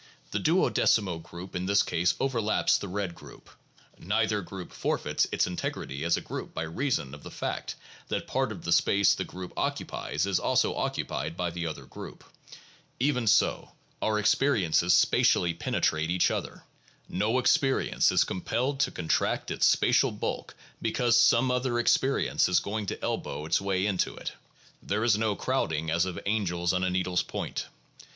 The duodecimo group in this case overlaps the red group. Neither group forfeits its integrity as a group by reason of the fact that part of the space the group occupies is also occupied by the other group. Even so our experiences spatially penetrate each other. No experience is compelled to contract its spatial bulk because some other experience is going to elbow its way into it. There is no crowding as of angels on a needle's point.